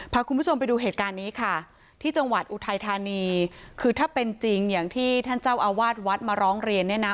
พาคุณผู้ชมไปดูเหตุการณ์นี้ค่ะที่จังหวัดอุทัยธานีคือถ้าเป็นจริงอย่างที่ท่านเจ้าอาวาสวัดมาร้องเรียนเนี่ยนะ